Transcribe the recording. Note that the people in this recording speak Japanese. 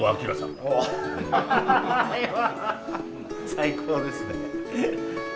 最高ですね。